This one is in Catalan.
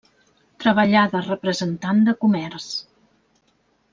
Treballà de representant de comerç.